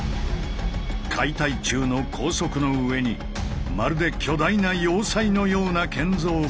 解体中の高速の上にまるで巨大な要塞のような建造物が！